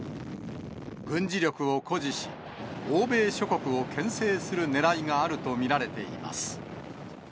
軍事力を誇示し、欧米諸国をけん制するねらいがあると見られています。